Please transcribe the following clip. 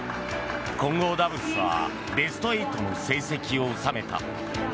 混合ダブルスはベスト８の成績を収めた。